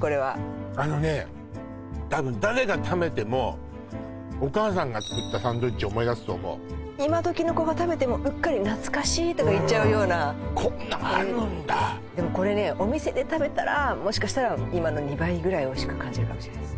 これはあのね多分誰が食べてもお母さんが作ったサンドイッチを思い出すと思う今どきの子が食べてもうっかり「懐かしい」とか言っちゃうようなこんなのあるんだでもこれねお店で食べたらもしかしたら今の２倍ぐらいおいしく感じるかもしれないです